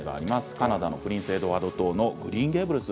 カナダのプリンス・エドワード島のグリーンゲイブルズ